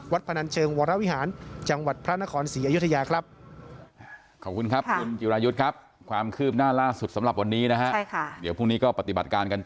พนันเชิงวรวิหารจังหวัดพระนครศรีอยุธยาครับ